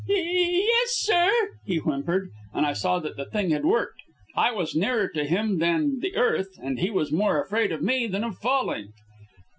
"Ye ye yes, sir," he whimpered, and I saw that the thing had worked. I was nearer to him than the earth, and he was more afraid of me than of falling.